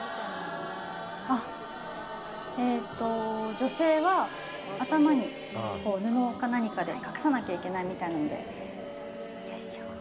女性は、頭に布か何かで隠さなきゃいけないみたいなので。